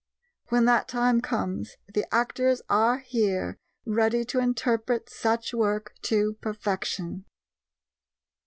When that time comes, the actors are here ready to interpret such work to perfection.